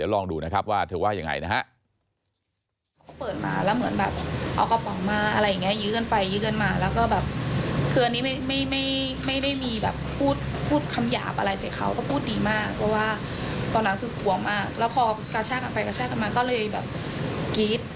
แล้วพอกัชช่ากันไปกัชช่ากันมาก็เลยแบบกรี๊ด